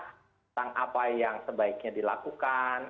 tentang apa yang sebaiknya dilakukan